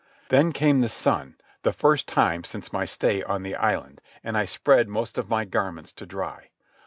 Then came the sun, the first time since my stay on the island, and I spread most of my garments to dry.